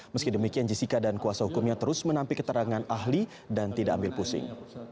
meski demikian jessica dan kuasa hukumnya terus menampik keterangan ahli dan tidak ambil pusing